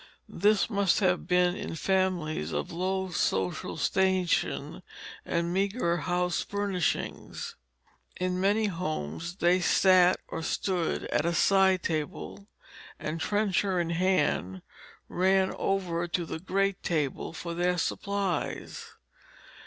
This must have been in families of low social station and meagre house furnishings. In many homes they sat or stood at a side table, and trencher in hand, ran over to the great table for their supplies.